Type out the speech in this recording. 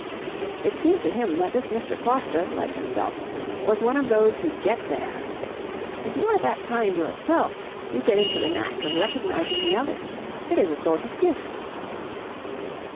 It seemed to him that this Mr. Foster, like himself, was one of those who Get There. If you are that kind yourself, you get into the knack of recognizing the others. It is a sort of gift.